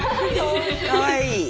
かわいい。